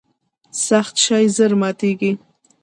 سخت شی ژر ماتیږي.